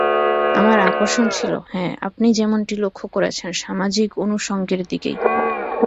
আমার আকর্ষণ ছিল, হ্যাঁ, আপনি যেমনটি লক্ষ করেছেন, সামাজিক অনুষঙ্গের দিকেই।